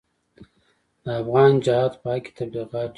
د افغان جهاد په حق کې تبلیغات ډېر وو.